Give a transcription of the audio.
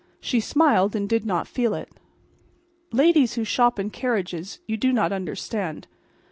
She smiled and did not feel it. Ladies who shop in carriages, you do not understand.